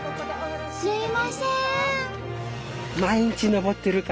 すいません！